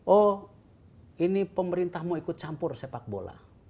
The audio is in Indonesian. oh ini pemerintah mau ikut campur sepak bola